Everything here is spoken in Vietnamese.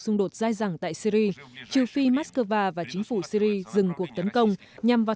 xung đột dai dẳng tại syri triều phi moscow và chính phủ syri dừng cuộc tấn công nhằm vào